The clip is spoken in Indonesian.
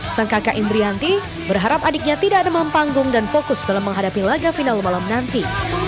sang kakak indrianti berharap adiknya tidak demam panggung dan fokus dalam menghadapi laga final malam nanti